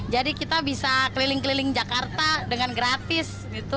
jadi kita bisa keliling keliling jakarta dengan gratis